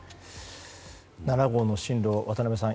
７号の進路、渡辺さん